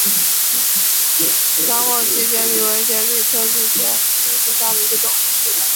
江某畸节蜱为节蜱科畸节蜱属下的一个种。